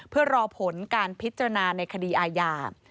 เพื่อรอผลการพิจารณาในคดีอาญา